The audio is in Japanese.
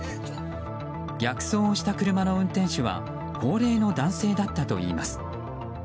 逆走をした車の運転手は高齢の男性だったといいます。